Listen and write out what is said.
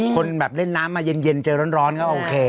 คนแบบเล่นน้ำมาเย็นเจอร้อนก็โอเค